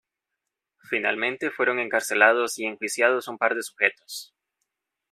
Finalmente fueron encarcelados y enjuiciados un par de sujetos.